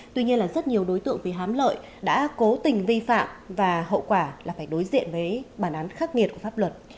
tuy nhiên là rất nhiều đối tượng vì hám lợi đã cố tình vi phạm và hậu quả là phải đối diện với bản án khắc nghiệt của pháp luật